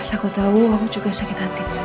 aku juga sakit